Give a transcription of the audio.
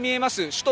首都